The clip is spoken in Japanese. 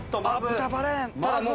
豚バラやん。